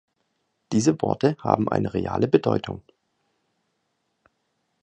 Diese Worte haben eine reale Bedeutung.